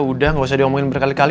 udah sana istirahat